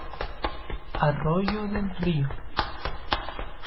Arroyo del Río.